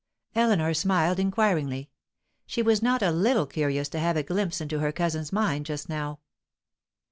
Eleanor smiled inquiringly. She was not a little curious to have a glimpse into her cousin's mind just now.